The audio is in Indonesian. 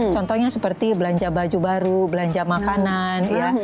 contohnya seperti belanja baju baru belanja makanan ya